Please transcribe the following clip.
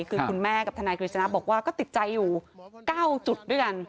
คือคุณแม่กับทนายกฤษณะบอกว่าก็ติดใจอยู่๙จุดด้วยกัน